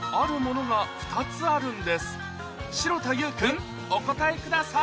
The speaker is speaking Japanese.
城田優君お答えください